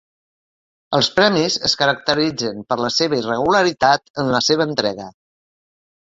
Els premis es caracteritzen per la seva irregularitat en la seva entrega.